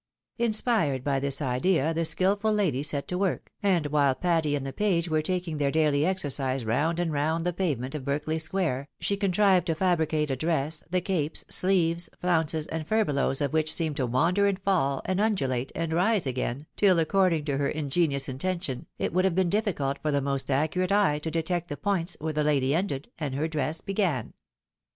Inspired by this idea, the skOful lady set to work, and while Patty and the page were taking their daily exercise round and round the pavement of Berkeley Square, she contrived to fabri cate a dress, the capes, sleeves, flounces, and furbelows of wHch Beemed to wander, and fall, and undulate, and rise again, tillj according to her ingenious intention, it would have been diffi cult for the most accurate eye to detect the points where the lady ended, and her dress began.